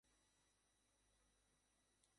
আসলে, ও ডাক্তার হলেও ওর একটা অসুখ আছে।